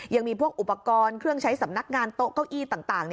ยังมีพวกอุปกรณ์เครื่องใช้สำนักงานโต๊ะเก้าอี้ต่าง